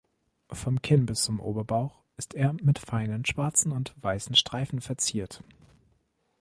Vom Kinn bis zum Oberbauch ist er mit feinen schwarzen und weißen Streifen verziert.